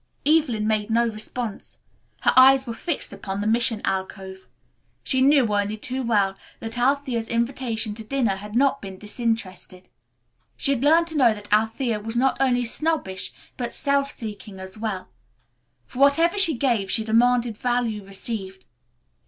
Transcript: Evelyn made no response. Her eyes were fixed upon the mission alcove. She knew, only too well, that Althea's invitation to dinner had not been disinterested. She had learned to know that Althea was not only snobbish, but self seeking as well. For whatever she gave she demanded value received.